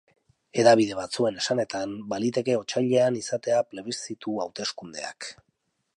Hedabide batzuen esanetan, baliteke otsailean izatea plebiszitu-hauteskundeak.